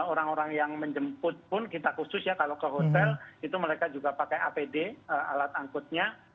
orang orang yang menjemput pun kita khusus ya kalau ke hotel itu mereka juga pakai apd alat angkutnya